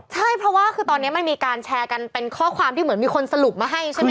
ใช่เพราะว่าคือตอนนี้มันมีการแชร์กันเป็นข้อความที่เหมือนมีคนสรุปมาให้ใช่ไหม